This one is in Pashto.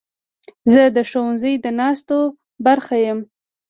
زه د ښوونځي د ناستو برخه یم.